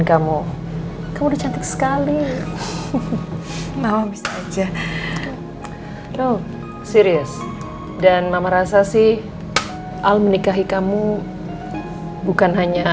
sampai jumpa di video selanjutnya